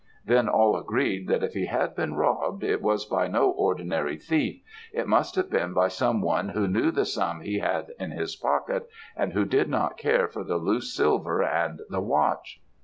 Then all agreed, that if he had been robbed, it was by no ordinary thief; it must have been by some one who knew the sum he had in his pocket, and who did not care for the loose silver and the watch.